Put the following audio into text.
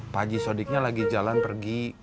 pak haji sodiknya lagi jalan pergi